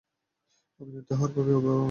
অভিনেত্রী হওয়ার পূর্বে উনি মডেলিং করতেন।